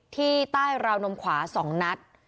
ที่ใต้ราวนมขวา๒นัด